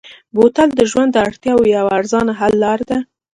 بوتل د ژوند د اړتیاوو یوه ارزانه حل لاره ده.